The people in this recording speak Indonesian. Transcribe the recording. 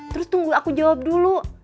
terus tunggu aku jawab dulu